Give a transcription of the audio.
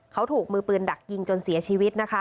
เขาถูกมือปืนดักยิงจนเสียชีวิตนะคะ